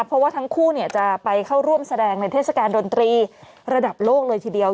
เพราะว่าทั้งคู่จะไปเข้าร่วมแสดงในเทศกาลดนตรีระดับโลกเลยทีเดียว